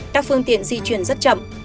các phương tiện di chuyển rất chậm